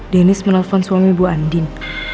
dennis menelpon suami ibu andin